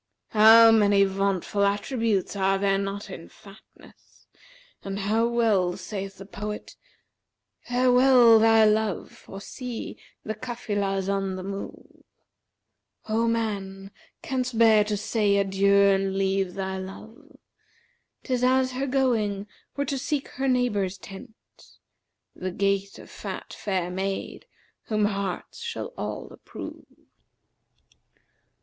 How many vauntful attributes are there not in fatness, and how well saith the poet, 'Farewell thy love, for see, the Cafilah's[FN#371] on the move: * O man, canst bear to say adieu and leave thy love? 'Tis as her going were to seek her neighbour's tent, * The gait of fat fair maid, whom hearts shall all approve.'